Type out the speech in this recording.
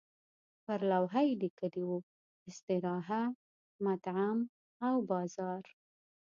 پر لوحه یې لیکلي وو استراحه، مطعم او بازار.